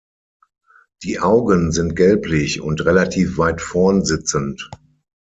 Die Augen sind gelblich und relativ weit vorn sitzend.